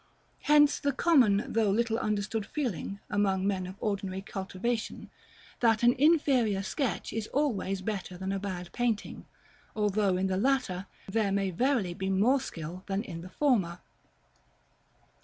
Hence the common, though little understood feeling, among men of ordinary cultivation, that an inferior sketch is always better than a bad painting; although, in the latter, there may verily be more skill than in the former.